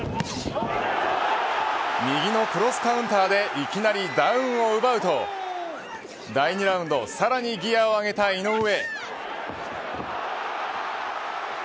右のクロスカウンターでいきなりダウンを奪うと第２ラウンドさらにギアを上げた井上。